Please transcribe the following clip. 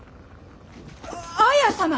綾様！